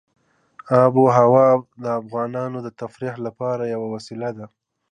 آب وهوا د افغانانو د تفریح لپاره یوه وسیله ده.